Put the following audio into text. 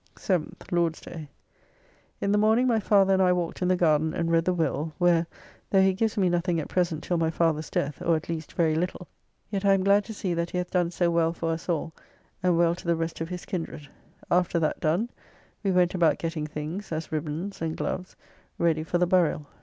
7th (Lord's day). In the morning my father and I walked in the garden and read the will; where, though he gives me nothing at present till my father's death, or at least very little, yet I am glad to see that he hath done so well for us, all, and well to the rest of his kindred. After that done, we went about getting things, as ribbands and gloves, ready for the burial.